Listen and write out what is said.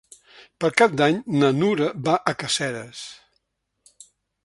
Per Cap d'Any na Nura va a Caseres.